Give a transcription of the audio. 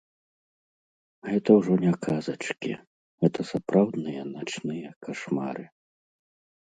Гэта ўжо не казачкі, гэта сапраўдныя начныя кашмары!